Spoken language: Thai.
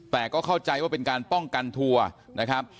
แต่ก็เข้าใจว่าเป็นการป้องกันทัวร์นะครับ